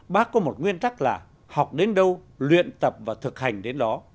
bác có một nguyên tắc là học đến đâu luyện tập và thực hành đến đó